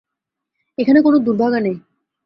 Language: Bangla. এখানে কোনো দুর্ভাগা নেই।